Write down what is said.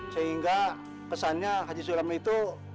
sehingga kesannya haji suram itu